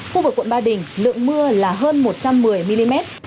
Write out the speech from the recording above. khu vực quận ba đình lượng mưa là hơn một trăm một mươi mm